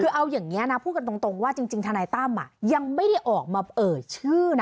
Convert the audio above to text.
คือเอาอย่างนี้นะพูดกันตรงว่าจริงทนายตั้มยังไม่ได้ออกมาเอ่ยชื่อนะ